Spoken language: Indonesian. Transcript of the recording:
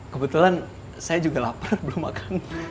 kebetulan saya juga lapar belum akan